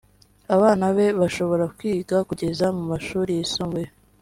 Abana be bashobora kwiga kugeza mu mashuri yisumbuye